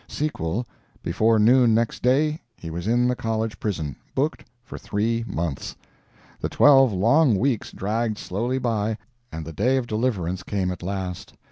Sequel: before noon, next day, he was in the college prison booked for three months. The twelve long weeks dragged slowly by, and the day of deliverance came at last.